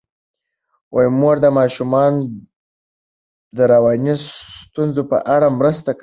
مور د ماشومانو د رواني ستونزو په اړه مرسته کوي.